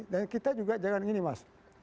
dan kita juga jangan gini mas